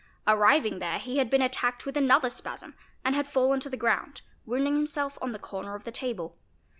i Arriving there he had been attacked with another spasm and had fallen | 'to the ground, wounding himself on the corner of the table.